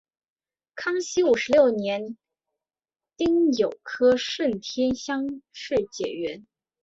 康熙五十六年丁酉科顺天乡试解元。